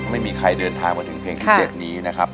ไม่มีใครเดินทางมาถึงเพลงที่๗นี้นะครับ